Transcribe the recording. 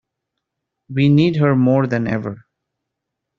We need her more than ever